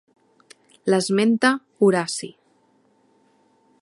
L'esmenta Horaci.